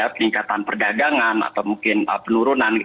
peningkatan perdagangan atau mungkin penurunan